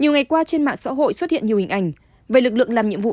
nhiều ngày qua trên mạng xã hội xuất hiện nhiều hình ảnh về lực lượng làm nhiệm vụ